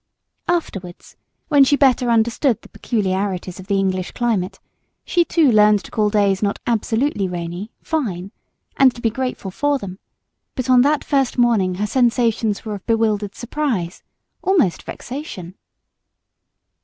Afterwards, when she understood better the peculiarities of the English climate, she too learned to call days not absolutely rainy "fine," and to be grateful for them; but on that first morning her sensations were of bewildered surprise, almost vexation.